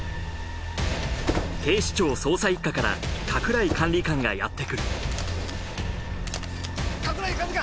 警視庁捜査一課から加倉井管理官がやって来る加倉井管理官